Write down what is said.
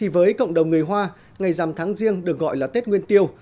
với cộng đồng người hoa ngày dằm tháng riêng được gọi là tết nguyên tiêu